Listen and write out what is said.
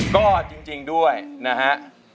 ก็จริงด้วยนะฮะ